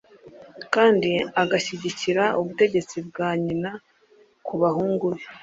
kandi agashyigikira ubutegetsi bwa nyina ku bahungu be